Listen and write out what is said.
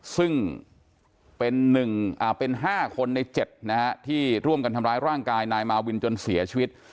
ซึ่งเป็น๕คนใน๗นะฮะที่ร่วมกันทำร้ายร่างกายนายมาวินจนเสียชีวิต